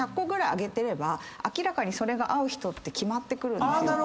上げてれば明らかにそれが合う人って決まってくるんです。